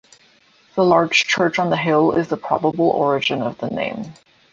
The large church on the hill is the probable origin of the name.